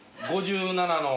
５７の。